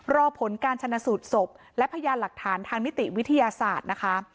รอผลการชนะสูตรศพและพยานหลักฐานทางนิติวิทยาศาสตร์นะคะ